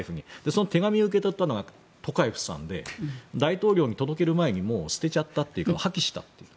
その手紙を受け取ったのがトカエフさんで大統領に届ける前に破棄したと。